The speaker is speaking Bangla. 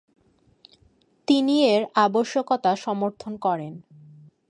তিনি এর আবশ্যকতা সমর্থন করেন।